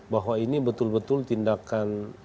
bahwa ini betul betul tindakan